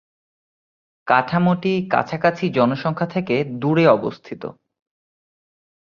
কাঠামোটি কাছাকাছি জনসংখ্যা থেকে দূরে অবস্থিত।